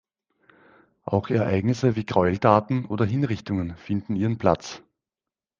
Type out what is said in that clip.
Auch Ereignisse wie Gräueltaten oder Hinrichtungen finden ihren Platz.